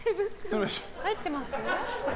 入ってます？